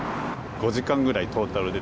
５時間くらい、トータルで。